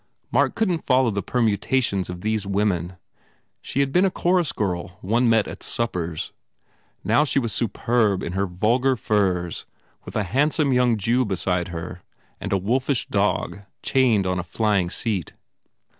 Mark couldn t follow the permutations of these women. She had been a chorus girl one met at suppers. Now she was superb in her vul gar furs with a handsome young Jew beside her and a wolfish dog chained on the flying seat.